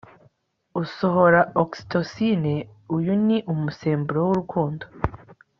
usohora oxytocin uyu ni umusemburo w'urukundo